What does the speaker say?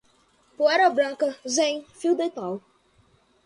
poeira branca, zen, fio dental